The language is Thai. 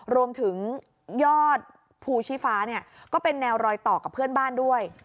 รวมถึงยอดภูชีฟ้าเนี่ยก็เป็นแนวรอยต่อกับเพื่อนบ้านด้วย